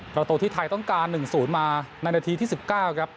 ประตูที่ไทยต้องการหนึ่งศูนย์มาในนาทีที่สิบเก้าครับ